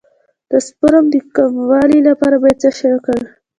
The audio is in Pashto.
د سپرم د کموالي لپاره باید څه شی وکاروم؟